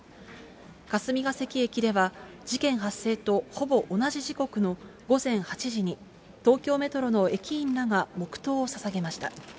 霞ヶ関駅では、事件発生とほぼ同じ時刻の午前８時に、東京メトロの駅員らが黙とうをささげました。